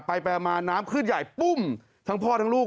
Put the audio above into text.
ไปไปมาน้ำขึ้นใหญ่ปุ้มทั้งพ่อทั้งลูก